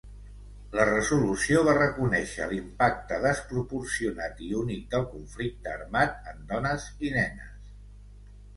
La Resolució va reconèixer l'impacte desproporcionat i únic del conflicte armat en dones i nenes.